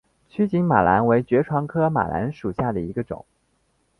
曲茎马蓝为爵床科马蓝属下的一个种。